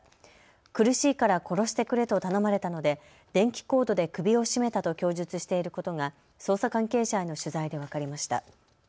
苦しいから殺してくれと頼まれたので電気コードで首を絞めたと供述していることが捜査関係者への取材で分かりました。